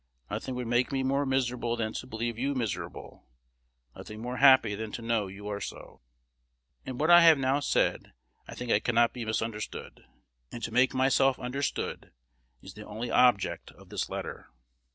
Nothing would make me more miserable than to believe you miserable, nothing more happy than to know you were so. In what I have now said, I think I cannot be misunderstood; and to make myself understood is the only object of this letter.